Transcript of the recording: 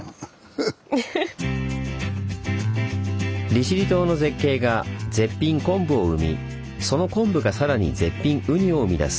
利尻島の「絶景」が絶品昆布を生みその昆布がさらに絶品ウニを生み出す。